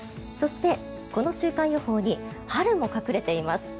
そして、この週間予報に春も隠れています。